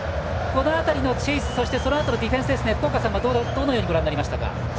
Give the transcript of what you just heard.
この辺りのチェイスそのあとのディフェンス福岡さん、どのようにご覧になりましたか。